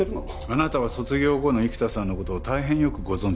あなたは卒業後の生田さんの事を大変よくご存じでしたよね。